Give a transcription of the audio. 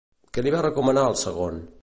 Què li va recomanar al segon?